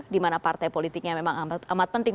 dimana partai politiknya memang amat penting